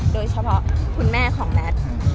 โดยเฉพาะคุณแม่ของแมท